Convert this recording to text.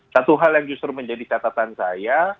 satu hal yang justru menjadi catatan saya